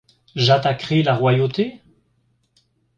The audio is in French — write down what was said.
J’attaquerai la royauté?